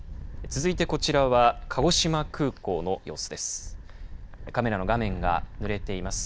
続いてこちらは鹿児島空港の様子です。